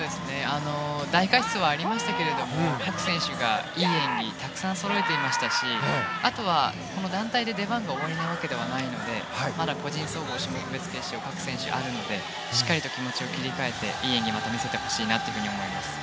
大過失はありましたけど各選手がいい演技をたくさんそろえていましたしあとは、団体で出番が終わりではないのでまだ個人総合、種目別決勝各選手あるのでしっかりと気持ちを切り替えていい演技をまた見せてもらいたいなと思います。